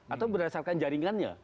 atau berdasarkan jaringannya